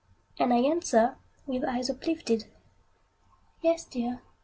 And I answer, with eyes uplifted, "Yes, dear!